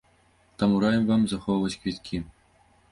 Таму раім вам захоўваць квіткі!